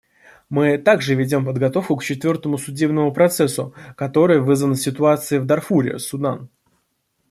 Мы также ведем подготовку к четвертому судебному процессу, который вызван ситуацией в Дарфуре, Судан.